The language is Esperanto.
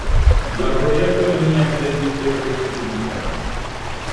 La projekto neniam estis efektivigita.